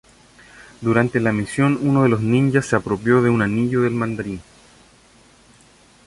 Durante la misión uno de los ninjas se apropió de un anillo del Mandarín.